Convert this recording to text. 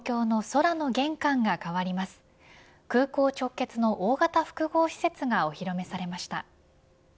空港直結の大型複合施設がお披露目されました。